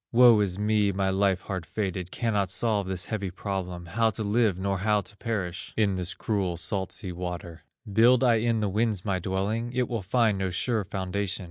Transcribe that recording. "Woe is me, my life hard fated! Cannot solve this heavy problem, How to live nor how to perish In this cruel salt sea water. Build I in the winds my dwelling? It will find no sure foundation.